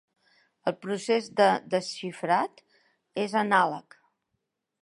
El procés de desxifrat és anàleg.